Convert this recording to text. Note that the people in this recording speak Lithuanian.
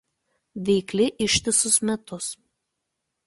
Veikli ištisus metus.